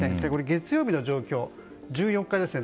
月曜日の状況、１４日ですね。